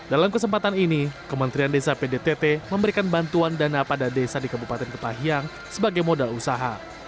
dalam kesempatan ini kementerian desa pdtt memberikan bantuan dana pada desa di kabupaten ketahiyang sebagai modal usaha